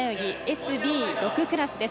ＳＢ６クラスです。